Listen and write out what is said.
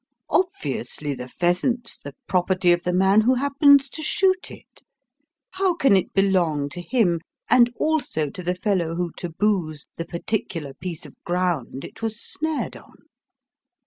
Obviously the pheasant's the property of the man who happens to shoot it. How can it belong to him and also to the fellow who taboos the particular piece of ground it was snared on?"